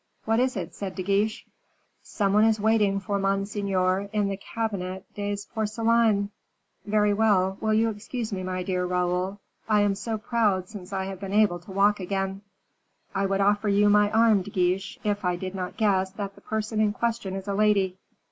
"What is it?" said De Guiche. "Some one is waiting for monseigneur in the Cabinet des Porcelaines." "Very well. Will you excuse me, my dear Raoul? I am so proud since I have been able to walk again." "I would offer you my arm, De Guiche, if I did not guess that the person in question is a lady."